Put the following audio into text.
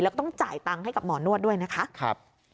แล้วก็ต้องจ่ายตังค์ให้กับหมอนวดด้วยนะคะ